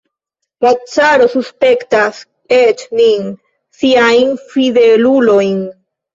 La caro suspektas eĉ nin, siajn fidelulojn!